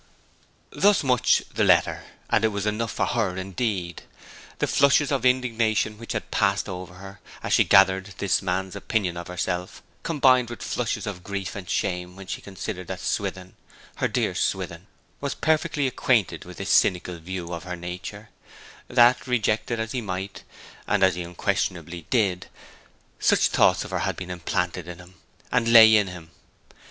Thus much the letter; and it was enough for her, indeed. The flushes of indignation which had passed over her, as she gathered this man's opinion of herself, combined with flushes of grief and shame when she considered that Swithin her dear Swithin was perfectly acquainted with this cynical view of her nature; that, reject it as he might, and as he unquestionably did, such thoughts of her had been implanted in him, and lay in him.